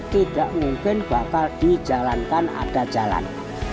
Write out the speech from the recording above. tidak mungkin bakal dijalankan ada jalan